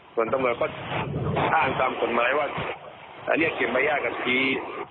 ส่วนตำรวจก็ท่านตามกฎหมายว่าอันนี้เก็บประหยากกับขี่